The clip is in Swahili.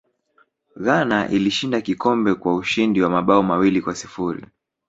ghana ilishinda kikombe kwa ushindi wa mabao mawili kwa sifuri